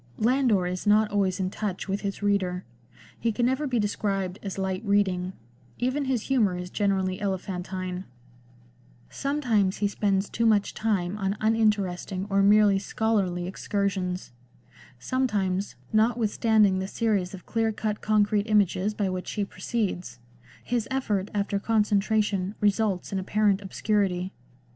Landor is not always in touch with his reader ; he can never be described as light reading ; even his humour is generally elephantine ; sometimes he spends too much time on uninteresting or merely scholarly excursions ; sometimes, not withstanding the series of clear cut concrete images by which he proceeds, his effort after concentration results in apparent obscurity.